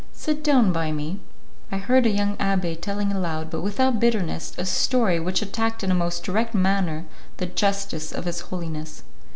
Sit down by me." I heard a young abbé telling aloud, but without bitterness, a story, which attacked in a most direct manner the justice of His Holiness.